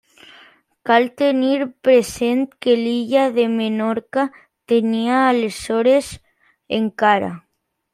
Cal tenir present que l'illa de Menorca tenia aleshores, encara.